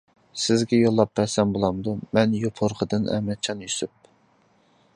سىزگە يوللاپ بەرسەم بولامدۇ؟ مەن يوپۇرغىدىن ئەمەتجان يۈسۈپ.